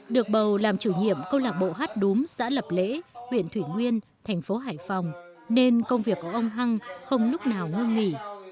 được bầu làm chủ nhiệm câu lạc bộ hát đúng xã lập lễ huyện thủy nguyên thành phố hải phòng nên công việc của ông hăng không lúc nào ngưng nghỉ